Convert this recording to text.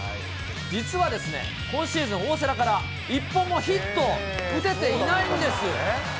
実は、今シーズン、大瀬良から一本もヒットを打てていないんです。